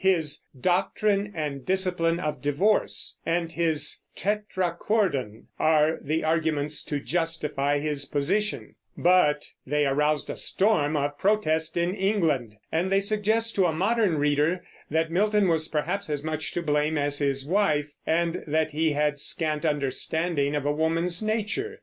His Doctrine and Discipline of Divorce and his Tetrachordon are the arguments to justify his position; but they aroused a storm of protest in England, and they suggest to a modern reader that Milton was perhaps as much to blame as his wife, and that he had scant understanding of a woman's nature.